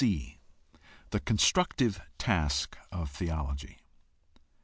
c) The constructive task of theology.